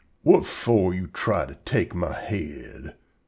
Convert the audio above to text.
"Whut for you try to take my head?"